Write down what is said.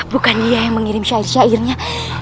bukan dia yang mengirim syair syairnya